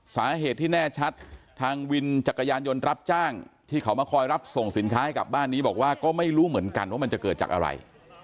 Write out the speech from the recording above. สาเหตุที่แน่ชัดทางวินจักรยานยนต์รับจ้างที่เขามาคอยรับส่งสินค้าให้กลับบ้านนี้บอกว่าก็ไม่รู้เหมือนกันว่ามันจะเกิดจากอะไร